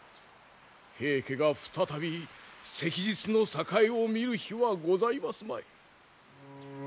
平家が再び昔日の栄えを見る日はございますまい。